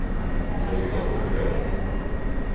Je že kdo prispel?